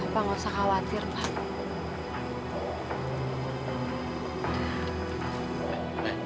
bapak tidak usah khawatir pak